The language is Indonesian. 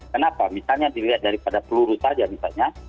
kenapa misalnya dilihat daripada peluru saja misalnya